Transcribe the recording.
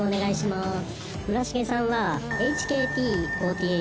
「村重さんは」